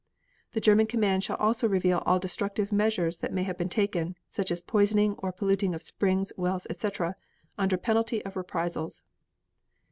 The German command shall also reveal all destructive measures that may have been taken (such as poisoning or polluting of springs, wells, etc.) under penalty of reprisals.